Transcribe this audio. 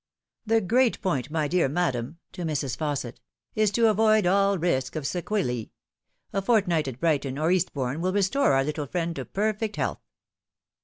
The great point, my dear madam " to Mrs. Fausset " ia to avoid all risk of sequela. A fortnight at Brighton or Eastbourno will restore our little friend to perfect health."